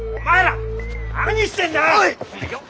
何してんだよ！